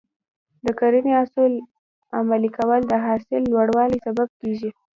د کرنې اصول عملي کول د حاصل لوړوالي سبب کېږي.